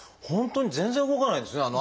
本当に全然動かないんですね